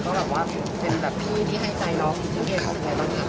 หลายคนก็แบบว่าเป็นแบบพี่ที่ให้ใจน้องพี่เอ๊สิ่งไหนบ้างครับ